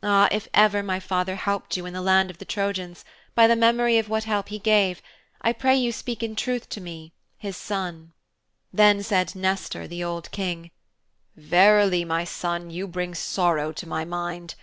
Ah, if ever my father helped you in the land of the Trojans, by the memory of what help he gave, I pray you speak in truth to me, his son.' Then said Nestor, the old King, 'Verily, my son, you bring sorrow to my mind.